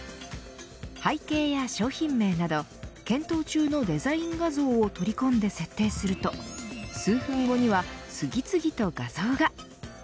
背景や商品名など検討中のデザイン画像を取り込んで設定すると数分後には次々と画像が。